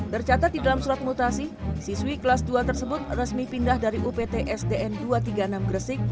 tercatat di dalam surat mutasi siswi kelas dua tersebut resmi pindah dari upt sdn dua ratus tiga puluh enam gresik